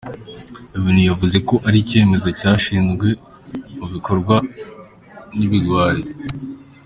Ibintu yavuze ko ari icyemezo cyashyizwe mu bikorwa n’ibigwari.